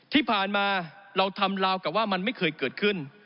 ที่ผ่านมาเราทำลาวกับว่ามันไม่เคยเกิดขึ้น